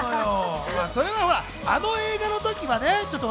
それはあの映画の時はね。